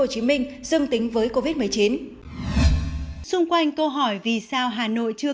hồ chí minh dương tính với covid một mươi chín xung quanh câu hỏi vì sao hà nội chưa